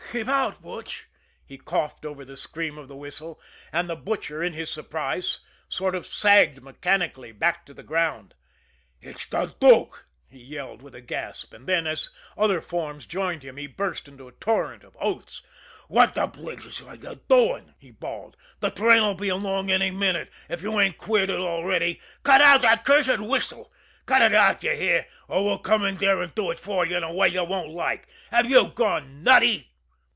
"Keep out, Butch!" he coughed over the scream of the whistle and the Butcher in his surprise sort of sagged mechanically back to the ground. "It's de Dook!" he yelled, with a gasp; and then, as other forms joined him, he burst into a torrent of oaths. "What de blazes are you doin'!" he bawled. "De train 'll be along in a minute, if you ain't queered it already cut out that cursed whistle! Cut it out, d'ye hear, or we'll come in there an' do it for you in a way you won't like have you gone nutty?"